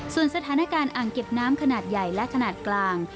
ส่วนสถานการณ์อ่างเก็บน้ำขนาดใหญ่และขนาดกลาง